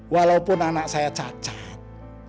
walaupun anak saya cacat